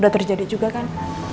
udah terjadi juga kan